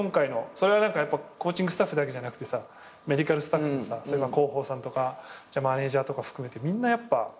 コーチングスタッフだけじゃなくてさメディカルスタッフもさ広報さんとかマネジャーとか含めてみんなやっぱ。